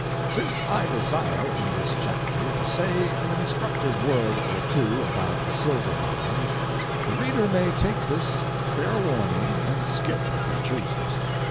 Since I desire, in this chapter, to say an instructive word or two about the silver mines, the reader may take this fair warning and skip, if he chooses.